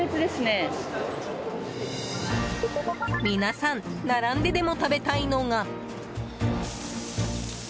皆さん並んででも食べたいのが。